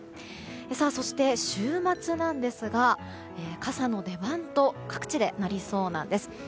そして、週末なんですが傘の出番と各地でなりそうなんです。